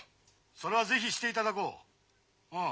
☎それは是非していただこううん。